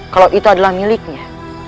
kalau itu adalah miliknya